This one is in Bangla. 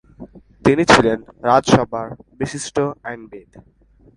তিনি ছিলেন রাজসভার বিশিষ্ট আইনবিদ।